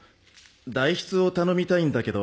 代筆を頼みたいんだけど。